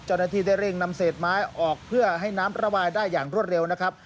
เจ้าหน้าที่ได้เร่งนำเศษไม้ออกเพื่อให้น้ำระบายได้อย่างรวดเร็วนะครับ